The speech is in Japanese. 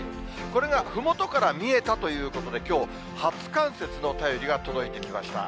これがふもとから見えたということで、きょう、初冠雪の便りが届いてきました。